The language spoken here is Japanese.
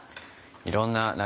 いろんな夏